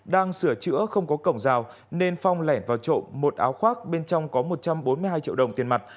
đang sửa chữa không có cổng rào nên phong lẻn vào trộm một áo khoác bên trong có một trăm bốn mươi hai triệu đồng tiền mặt